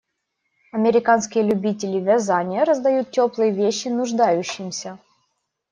Американские любители вязания раздают теплые вещи нуждающимся